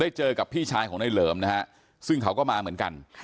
เจอกับพี่ชายของนายเหลิมนะฮะซึ่งเขาก็มาเหมือนกัน